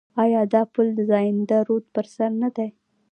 آیا دا پل د زاینده رود پر سر نه دی؟